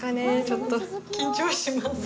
ちょっと緊張します。